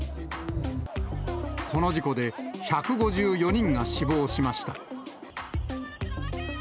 この事故で、１５４人が死亡しました。